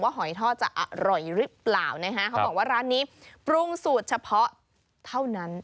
หอยทอดจะอร่อยหรือเปล่านะฮะเขาบอกว่าร้านนี้ปรุงสูตรเฉพาะเท่านั้น